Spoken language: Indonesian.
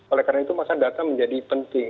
oleh karena itu maka data menjadi penting